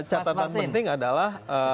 catatan penting adalah